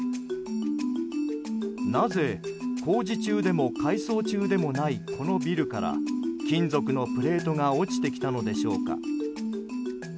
なぜ工事中でも改装中でもないこのビルから金属のプレートが落ちてきたのでしょうか。